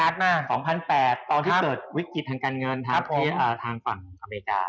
ตอนที่เกิดวิกฤตทางการเงินทางฝั่งอเมริกา